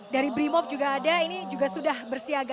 dari brimop juga ada ini juga sudah bersiaga